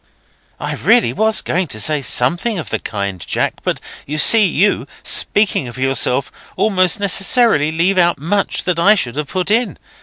"I really was going to say something of the kind, Jack; but you see, you, speaking of yourself, almost necessarily leave out much that I should have put in.